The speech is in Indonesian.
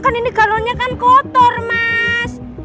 kan ini kalonya kan kotor mas